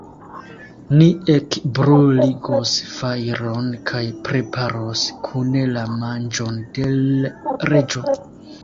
Ni ekbruligos fajron kaj preparos kune la manĝon de l' Reĝo.